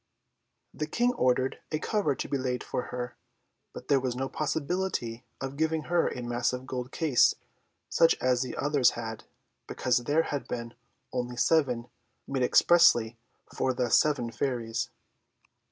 The King ordered a cover to be laid for her; but there was no possibility of giving her a massive gold case such as the others had, because there had been only seven made expressly for the seven Fairies.